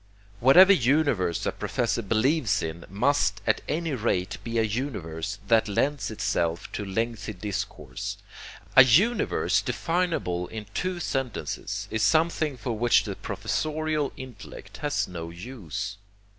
Whatever universe a professor believes in must at any rate be a universe that lends itself to lengthy discourse. A universe definable in two sentences is something for which the professorial intellect has no use.